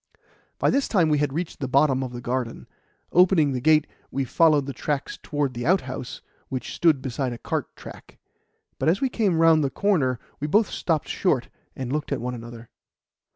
By this time we had reached the bottom of the garden. Opening the gate, we followed the tracks towards the outhouse, which stood beside a cart track; but as we came round the corner we both stopped short and looked at one another.